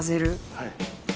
はい。